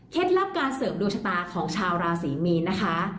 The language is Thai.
ลับการเสริมดวงชะตาของชาวราศรีมีนนะคะ